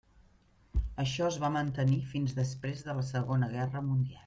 Això es va mantenir fins després de la Segona Guerra Mundial.